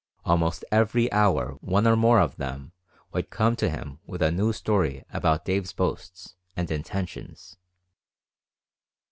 Almost every hour one or more of them would come to him with a new story about Dave's boasts and intentions.